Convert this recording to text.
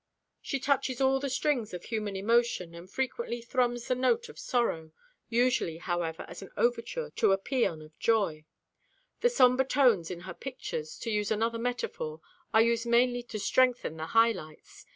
She touches all the strings of human emotion, and frequently thrums the note of sorrow, usually, however, as an overture to a pæan of joy. The somber tones in her pictures, to use another metaphor, are used mainly to strengthen the high lights.